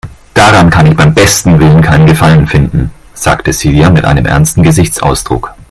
"Daran kann ich beim besten Willen keinen Gefallen finden", sagte Silja mit einem ernsten Gesichtsausdruck.